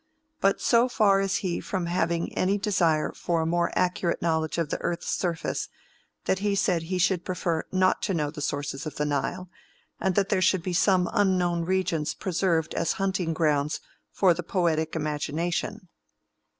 But so far is he from having any desire for a more accurate knowledge of the earth's surface, that he said he should prefer not to know the sources of the Nile, and that there should be some unknown regions preserved as hunting grounds for the poetic imagination."